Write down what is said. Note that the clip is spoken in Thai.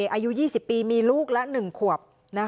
อายุ๒๐ปีมีลูกละ๑ขวบ